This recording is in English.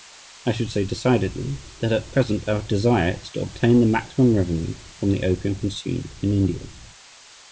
I should say decidedly, that at present our desire is to obtain the maximum revenue from the opium consumed in India."